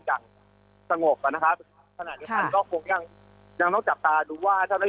กันอย่างสงบมากขนาดนี้ก็คงต้องจับตาตลูกอาจรู้ว่า